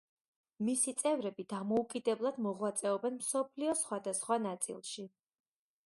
მისი წევრები დამოუკიდებლად მოღვაწეობენ მსოფლიოს სხვადასხვა ნაწილში.